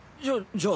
じゃあ。